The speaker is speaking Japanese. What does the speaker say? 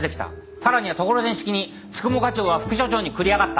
さらにはところてん式に九十九課長は副署長に繰り上がった。